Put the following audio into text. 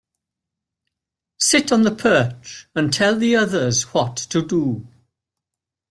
Sit on the perch and tell the others what to do.